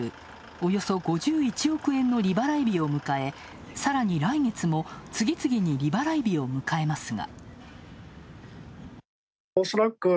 およそ５１億円の利払い日を迎えさらに来月も、次々に利払い日を迎えますが。